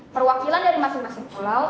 perwakilan dari masing masing pulau